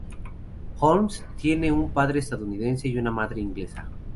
Holmes tiene un padre estadounidense y una madre inglesa.